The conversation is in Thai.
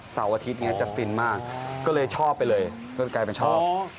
เสาร์อาทิตย์อย่างนี้จะฟินมากก็เลยชอบไปเลยกลายเป็นชอบ